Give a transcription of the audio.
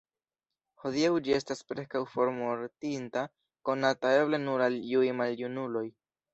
Hodiaŭ ĝi estas preskaŭ formortinta, konata eble nur al iuj maljunuloj.